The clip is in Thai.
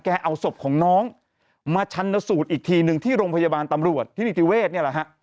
เอาศพของน้องมาชันสูตรอีกทีหนึ่งที่โรงพยาบาลตำรวจที่นิติเวศเนี่ยแหละฮะ